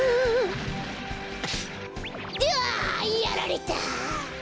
どあ！やられた！